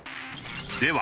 では